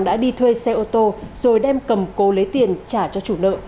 đã đi thuê xe ô tô rồi đem cầm cố lấy tiền trả cho chủ nợ